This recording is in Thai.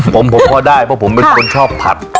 ผมพอได้เพราะผมเป็นคนชอบผัด